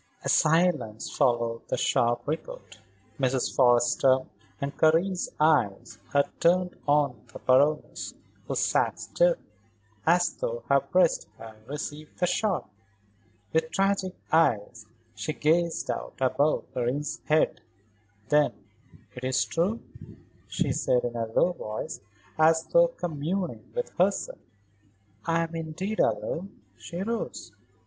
A silence followed the sharp report. Mrs. Forrester's and Karen's eyes had turned on the Baroness who sat still, as though her breast had received the shot. With tragic eyes she gazed out above Karen's head; then: "It is true," she said in a low voice, as though communing with herself; "I am indeed alone." She rose.